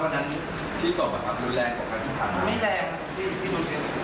ไม่แรงครับหรอกครับที่ดูทีของกู